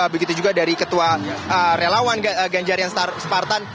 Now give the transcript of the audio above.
begitu juga dari ketua relawan ganjarian spartan